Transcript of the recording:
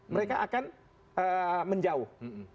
mereka akan menjauh